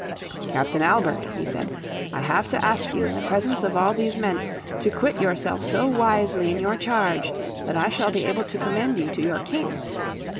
"Captain Albert," he said, "I have to ask you in the presence of all these men, to quit yourself so wisely in your charge, that I shall be able to commend you to your King.